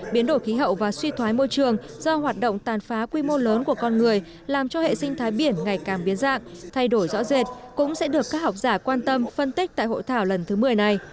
biến đổi khí hậu và suy thoái môi trường do hoạt động tàn phá quy mô lớn của con người làm cho hệ sinh thái biển ngày càng biến dạng thay đổi rõ rệt cũng sẽ được các học giả quan tâm phân tích tại hội thảo lần thứ một mươi này